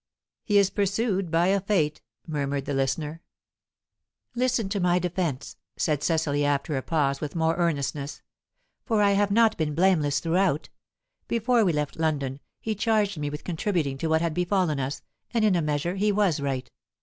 "He is pursued by a fate," murmured the listener. "Listen to my defence;" said Cecily, after a pause, with more earnestness. "For I have not been blameless throughout. Before we left London, he charged me with contributing to what had befallen us, and in a measure he was right.